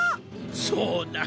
そうだ。